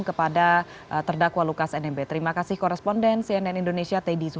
kepada jaksa penuntut umum